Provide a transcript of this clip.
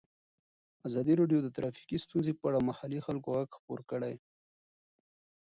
ازادي راډیو د ټرافیکي ستونزې په اړه د محلي خلکو غږ خپور کړی.